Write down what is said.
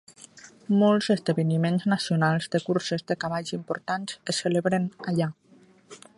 Molts esdeveniments nacionals de curses de cavalls importants es celebren allà.